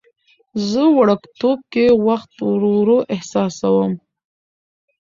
زه وړوکتوب کې وخت ورو احساسوم.